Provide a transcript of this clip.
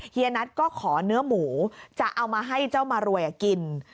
เยนัทก็ขอเนื้อหมูจะเอามาให้เจ้ามารวยกิน